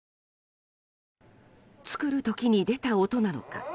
作る時に出た音なのか